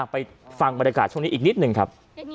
ไปฟังบรรยากาศช่วงนี้อีกนิดหนึ่งครับ